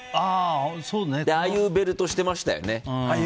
ああいうベルトしてましたよね。